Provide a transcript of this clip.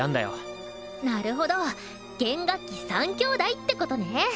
なるほど弦楽器３兄弟ってことね！